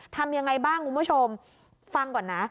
ทำยังไงบ้างคุณผู้ชมฟังก่อนนะ